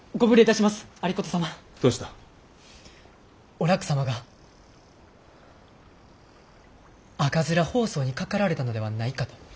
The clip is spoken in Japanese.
お楽様が赤面疱瘡にかかられたのではないかと。